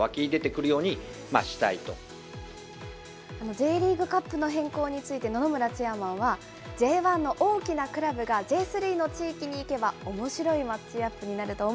Ｊリーグカップの変更について、野々村チェアマンは、Ｊ１の大きなクラブがＪ３の地域に行けば、おもしろいマッチアッ